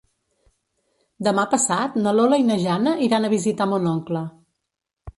Demà passat na Lola i na Jana iran a visitar mon oncle.